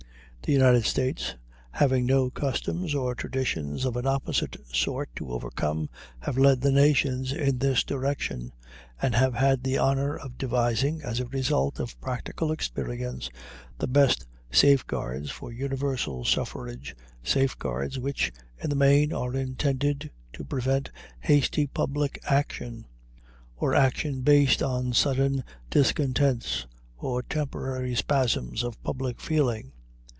The United States, having no customs or traditions of an opposite sort to overcome, have led the nations in this direction, and have had the honor of devising, as a result of practical experience, the best safeguards for universal suffrage, safeguards which, in the main, are intended to prevent hasty public action, or action based on sudden discontents or temporary spasms of public feeling.